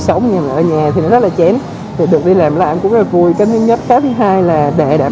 sống ở nhà thì nó rất là chén thì được đi làm lại cũng rất là vui cái thứ nhất thứ hai là để đảm